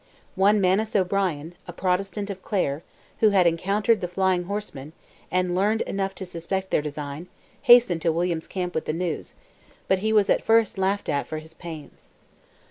One Manus O'Brien, a Protestant of Clare, who had encountered the flying horsemen, and learned enough to suspect their design, hastened to William's camp with the news, but he was at first laughed at for his pains.